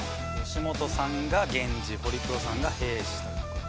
「吉本さんが源氏ホリプロさんが平氏と」